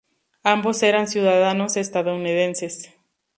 Ambos eran ciudadanos estadounidenses.